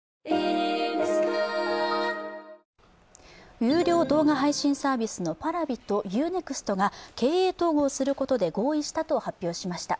有料動画配信サービスのＰａｒａｖｉとＵ−ＮＥＸＴが経営統合することで合意したと発表しました。